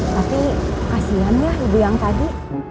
tapi kasian ya ibu yang tadi